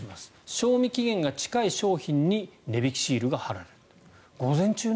賞味期限が近い商品に値引きシールが貼られる。